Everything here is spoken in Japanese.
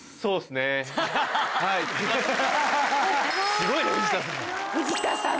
すごいね藤田さん。